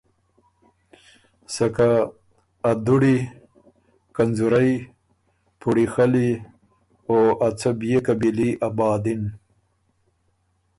سکه ا دُوړی، کنځورئ، پُوړی خلی او ا څه بيې قبیلي آبادِن۔